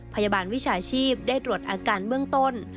พยาบาลวิชาชีพได้ตรวจอาการเบื้องต้น